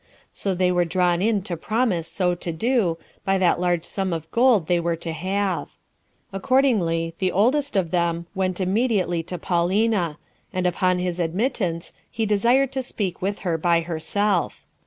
So they were drawn in to promise so to do, by that large sum of gold they were to have. Accordingly, the oldest of them went immediately to Paulina; and upon his admittance, he desired to speak with her by herself.